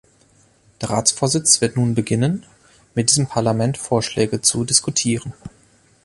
Der Ratsvorsitz wird nun beginnen, mit diesem Parlament Vorschläge zu diskutieren.